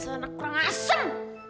salah anakku kurang asem